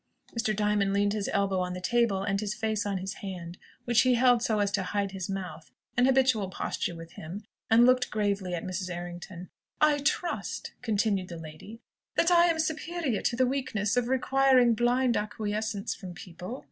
Mr. Diamond leaned his elbow on the table, and his face on his hand, which he held so as to hide his mouth an habitual posture with him and looked gravely at Mrs. Errington. "I trust," continued the lady, "that I am superior to the weakness of requiring blind acquiescence from people."